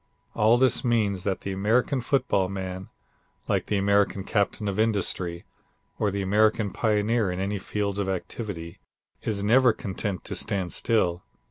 All this means that the American football man, like the American captain of industry, or the American pioneer in any field of activity, is never content to stand still.